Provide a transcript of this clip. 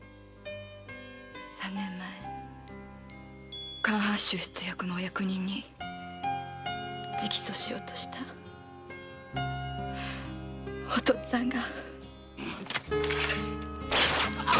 三年前関八州出役のお役人に直訴しようとしたお父っつぁんが！